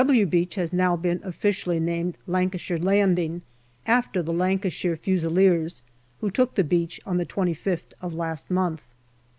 " W " Beach has now been officially named Lancashire Landing, after the Lancashire Fusiliers, who took the beach on the 25th of last month.